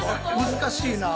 難しいな。